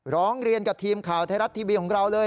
ร้องเรียนกับทีมข่าวไทยรัฐทีวีของเราเลย